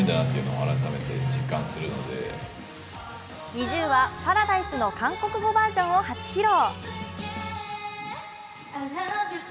ＮｉｚｉＵは「Ｐａｒａｄｉｓｅ」の韓国語バージョンを初披露。